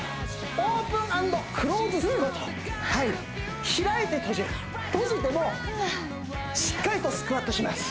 オープン＆クローズスクワットはい開いて閉じる閉じてもしっかりとスクワットします